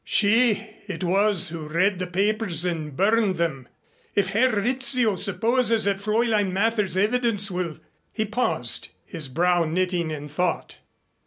She it was who read the papers and burned them. If Herr Rizzio supposes that Fräulein Mather's evidence will " He paused, his brow knitting in thought.